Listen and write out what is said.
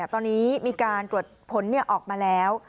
ตอนนี้มีการตรวจผลออกมาแล้ว